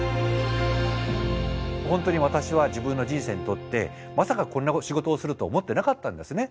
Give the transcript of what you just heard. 本当に私は自分の人生にとってまさかこんな仕事をすると思ってなかったんですね。